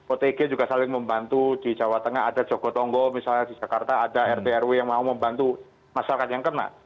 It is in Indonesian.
otg juga saling membantu di jawa tengah ada jogotongo misalnya di jakarta ada rt rw yang mau membantu masyarakat yang kena